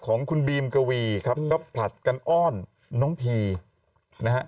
ของคุณบีมกวีครับก็ผลัดกันอ้อนน้องพีนะฮะ